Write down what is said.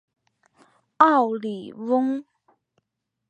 奥里翁。